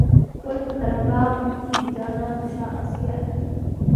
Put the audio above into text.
ګل پر قره باغ دی جانانه د شا غاسي یاره.